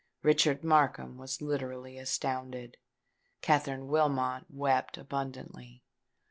Richard Markham was literally astounded. Katherine Wilmot wept abundantly.